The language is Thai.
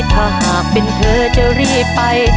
ถ้าหากเป็นเธอจะรีบไป